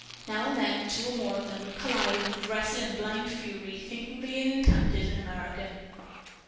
Now and then two or more of them would collide and would wrestle in blind fury, thinking they had encountered an American.